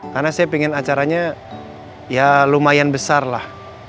karena saya pingin acaranya ya lumayan besar lah